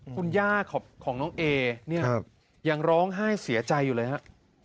คุณย่าของน้องเอเนี่ยยังร้องไห้เสียใจอยู่เลยฮะ